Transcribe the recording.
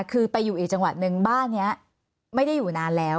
คือไปอยู่อีกจังหวัดนึงบ้านนี้ไม่ได้อยู่นานแล้ว